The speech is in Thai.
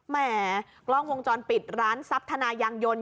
แหมกล้องวงจรปิดร้านทรัพธนายางยนต์